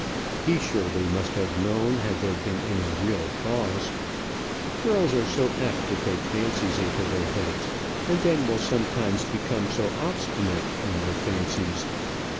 He surely must have known had there been any real cause. Girls are so apt to take fancies into their heads, and then will sometimes become so obstinate in their fancies!